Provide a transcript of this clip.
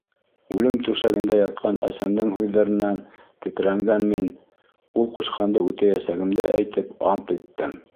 Үлем түшәгендә ятҡан әсәмдең һүҙҙәренән тетрәнгән мин, ул ҡушҡанды үтәйәсәгемде әйтеп, ант иттем.